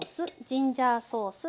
ジンジャーソース。